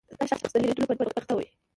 دا شخص د لیرې لیدلو په ناروغۍ اخته وي.